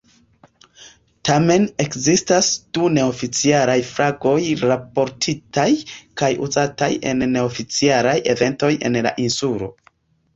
Tamen, ekzistas du neoficialaj flagoj raportitaj kaj uzataj en neoficialaj eventoj en la insulo.